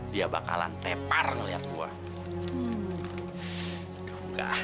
dia bakalan tepar ngeliat gue